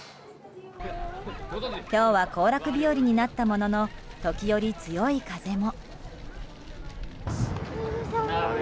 今日は行楽日和になったものの時折、強い風も。